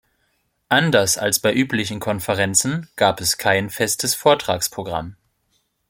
Anders als bei üblichen Konferenzen gab es kein festes Vortragsprogramm.